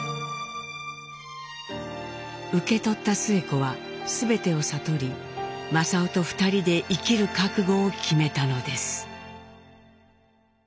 受け取ったスエ子は全てを悟り正雄と２人で生きる覚悟を決めたのです。